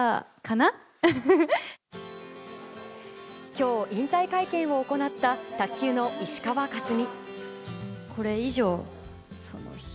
今日、引退会見を行った卓球の石川佳純。